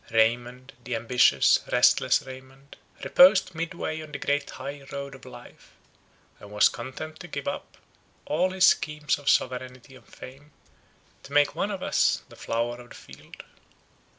Raymond, the ambitious, restless Raymond, reposed midway on the great high road of life, and was content to give up all his schemes of sovereignty and fame, to make one of us, the flowers of the field.